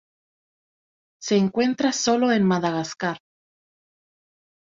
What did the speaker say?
Se encuentra sólo en Madagascar.